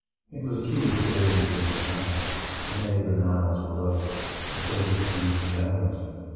It was a curious building to English eyes. The nave and aisles were low, and filled with pews and galleries.